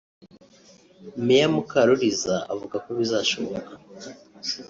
Meya Mukaruliza avuga ko bizashoboka